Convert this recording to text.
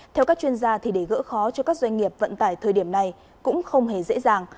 theo các chuyên gia để gỡ khó cho các doanh nghiệp vận tải thời điểm này cũng không hề dễ dàng